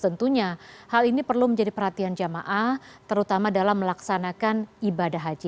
tentunya hal ini perlu menjadi perhatian jamaah terutama dalam melaksanakan ibadah haji